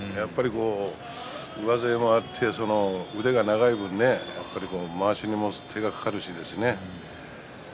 上背もあって腕が長い分まわしにも手が掛かるし。